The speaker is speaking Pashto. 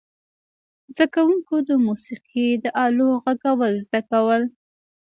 زده کوونکو د موسیقي د آلو غږول زده کول.